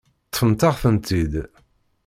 Ṭṭfent-aɣ-tent-id.